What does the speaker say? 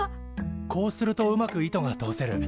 こうするとうまく糸が通せる。